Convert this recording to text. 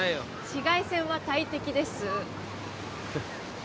紫外線は大敵です